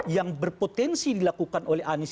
yang berpotensi dilakukan oleh anies